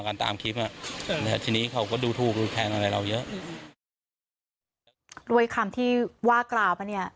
กันตามคลิปน่ะอืมแต่ทีนี้เขาก็ดูถูกดูแพงอะไรเราเยอะอืมโดยคำที่ว่ากราบน่ะเนี่ย